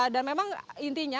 dan memang intinya